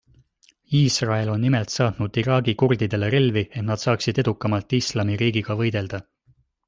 Iisrael on nimelt saatnud Iraagi kurdidele relvi, et nad saaksid edukamalt Islamiriigiga võidelda.